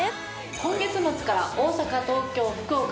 今月末から大阪、東京、福岡、